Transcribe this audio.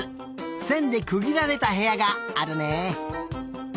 せんでくぎられたへやがあるね。